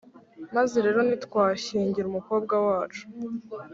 Maze rero ntitwashyingira umukobwa wacu